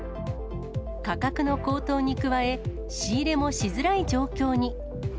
価格の高騰に加え、仕入れもしづらい状況に。